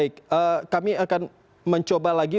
baik kami akan mencoba lagi